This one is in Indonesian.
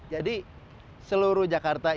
jadi seluruh jakarta